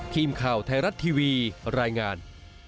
ทีมข่าวไทยรัฐทีวีรายงาน